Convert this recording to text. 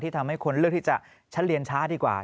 ทำให้คนเลือกที่จะฉันเรียนช้าดีกว่า